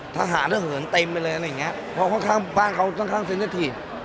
ทหารระเหินเต็มไปเลยอะไรอย่างเงี้ยเพราะข้างข้างบ้านเขาค่อนข้างเซ็นเตอร์ทีฟ